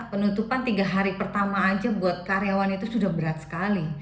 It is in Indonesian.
penutupan tiga hari pertama aja buat karyawan itu sudah berat sekali